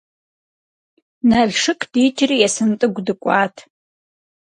Налшык дикӏри Есэнтӏыгу дыкӏуат.